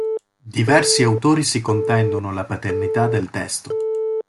Diversi autori si contendono la paternità del testo.